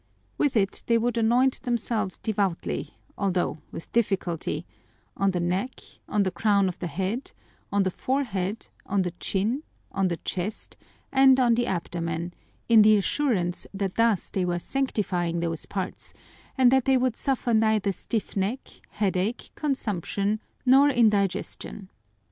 With it they would anoint themselves devoutly, although with difficulty, on the neck, on the crown of the head, on the forehead, on the chin, on the chest, and on the abdomen, in the assurance that thus they were sanctifying those parts and that they would suffer neither stiff neck, headache, consumption, nor indigestion.